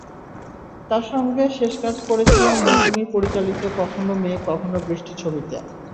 তাঁর সঙ্গে শেষ কাজ করেছিলাম মৌসুমী পরিচালিত কখনো মেঘ কখনো বৃষ্টি ছবিতে।